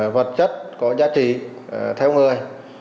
vật chất có giá trị theo người